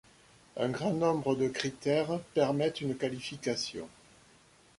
Un grand nombre de critères permettent une qualification.